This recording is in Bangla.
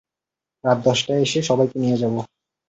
রাত দশটায় এসে সবাইকে নিয়ে যাব।